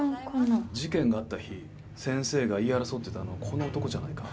事件があった日先生が言い争ってたのはこの男じゃないか？